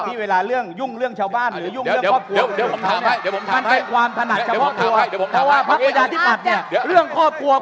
นี่เวลาเรื่องยุ่งเรื่องชาวบ้านหรือยุ่งเรื่องครอบครัว